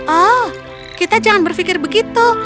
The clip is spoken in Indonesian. oh kita jangan berpikir begitu